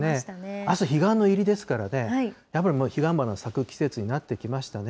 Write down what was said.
あす、彼岸の入りですからね、ヒガンバナが咲く季節になってきましたね。